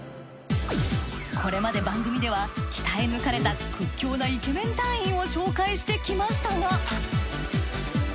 これまで番組では鍛え抜かれた屈強なイケメン隊員を紹介してきましたが。